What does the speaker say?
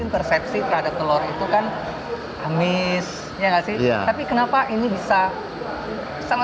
persepsi telur telur itu kan amisnya kasih ya tapi kenapa ini bisa sama